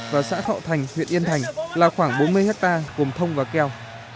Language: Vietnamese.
và xã khọ thành huyện yên thành là khoảng bốn mươi hectare cùng thông và keo